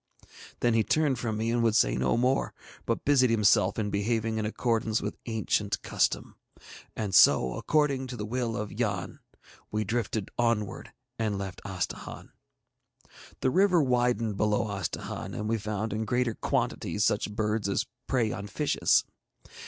Then he turned from me and would say no more, but busied himself in behaving in accordance with ancient custom. And so, according to the will of Yann, we drifted onwards and left Astahahn. The river widened below Astahahn, and we found in greater quantities such birds as prey on fishes.